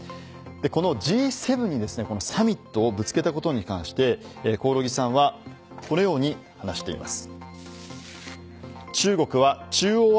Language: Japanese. このＧ７にですねサミットをぶつけたことに関して興梠さんはこのように話しています。